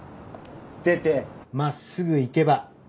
出て真っすぐ行けば駅。